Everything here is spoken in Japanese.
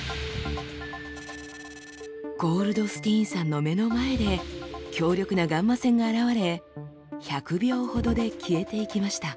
ゴールドスティーンさんの目の前で強力なガンマ線が現れ１００秒ほどで消えていきました。